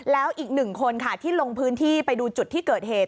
แล้วอีกหนึ่งคนค่ะที่ลงพื้นที่ไปดูจุดที่เกิดเหตุ